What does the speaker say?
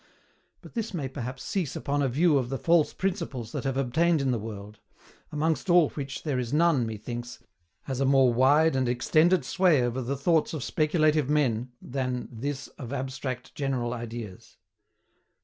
But this may perhaps cease upon a view of the false principles that have obtained in the world, amongst all which there is none, methinks, has a more wide and extended sway over the thoughts of speculative men than [Note.] this of abstract general ideas.